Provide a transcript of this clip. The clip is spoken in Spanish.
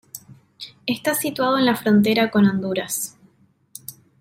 Está situado en la frontera con Honduras.